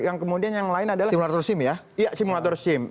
yang kemudian yang lain adalah simulator sim